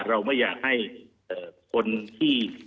เราไม่อยากให้คนที่